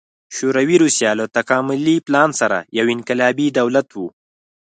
شوروي روسیه له تکاملي پلان سره یو انقلابي دولت و